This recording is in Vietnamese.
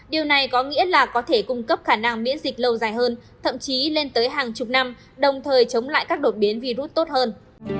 điều này có nghĩa là có thể cung cấp khả năng miễn dịch lâu dài hơn thậm chí lên tới hàng chục năm đồng thời chống lại các đột biến virus tốt hơn